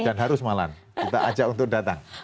dan harus malam kita ajak untuk datang